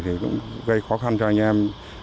thì cũng gây khó khăn cho anh em